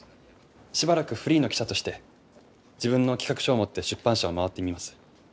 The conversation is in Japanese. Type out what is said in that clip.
しばらくフリーの記者として自分の企画書を持って出版社を回ってみます。